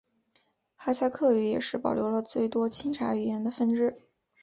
哈萨克语也是保留了最多钦察语言的分支。